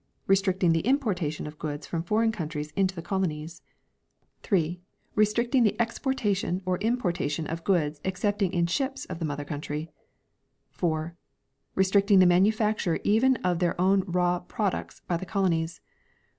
Restricting the importation of goods from foreign countries into the colonies. 3. Restricting the exportation or importation of goods except ing in ships of the mother country. 4. Restricting the manufacture even of their own raw products by the colonies.